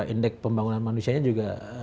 indeks pembangunan manusianya juga